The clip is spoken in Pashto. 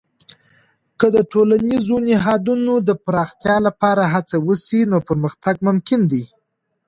که د ټولنیزو نهادونو د پراختیا لپاره هڅه وسي، نو پرمختګ ممکن دی.